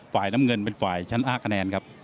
ฝ่ายน้ำเงินเป็นฝ่ายชั้นอ้าคะแนนครับ